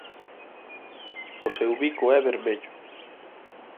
O seu bico é vermello.